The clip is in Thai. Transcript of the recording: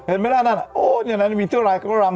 เห็นมั้ยล่ะนั่นโอ๊ยอย่างนั้นวินเทอร์ไลน์ก็ลำเห็นมั้ย